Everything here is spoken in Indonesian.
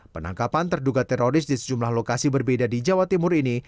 penangkapan terduga teroris di sejumlah lokasi berbeda di jawa timur ini